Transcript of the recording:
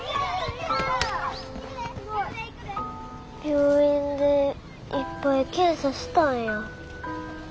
病院でいっぱい検査したんや。